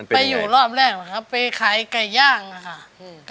ไปอยู่รอบแรกนะครับไปขายไก่ย่างอะค่ะอืม